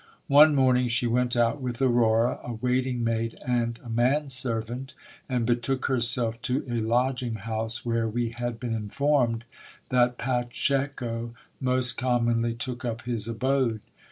One morning she went out with Aurora, a waiting m lid and a man servant, and betook herself to a lodging house, where we had been informed that Pacheco most commonly took up his abode.